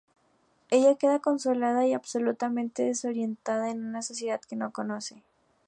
Ella queda desconsolada y absolutamente desorientada en una sociedad que no conoce.